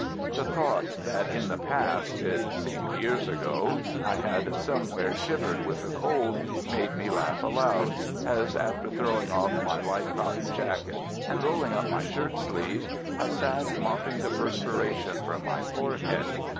The thought that in the past it seemed years ago I had somewhere shivered with the cold, made me laugh aloud, as, after throwing off my light cotton jacket and rolling up my shirt sleeves, I sat mopping the perspiration from my forehead.